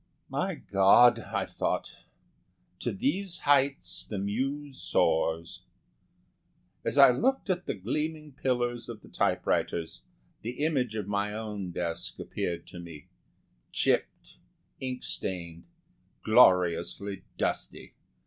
"My God!" I thought "to these heights the Muse soars." As I looked at the gleaming pillars of the typewriters, the image of my own desk appeared to me; chipped, ink stained, gloriously dusty.